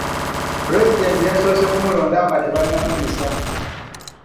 Pulezidenti yasoose ku mulonda nga tebannamuyisa.